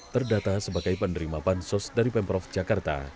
terdata sebagai penerima bansos dari pemprov jakarta